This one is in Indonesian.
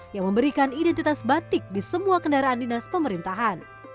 yang memberikan identitas batik di semua kendaraan dinas pemerintahan